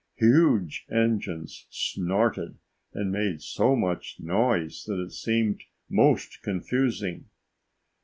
Huge engines snorted and made so much noise that it seemed most confusing.